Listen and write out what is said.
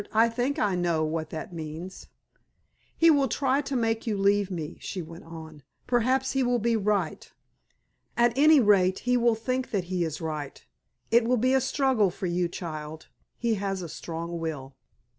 "I think I know what that means." "He will try to make you leave me," she went on. "Perhaps he will be right. At any rate, he will think that he is right. It will be a struggle for you, child. He has a strong will."